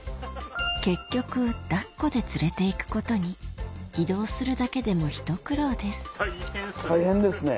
結局抱っこで連れて行くことに移動するだけでもひと苦労です大変ですね。